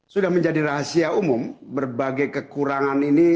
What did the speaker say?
sudah menjadi rahasia umum berbagai kekurangan ini